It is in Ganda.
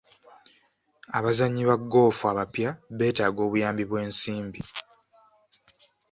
Abazannyi ba ggoofu abapya beetaaga obuyambi bw'ensimbi.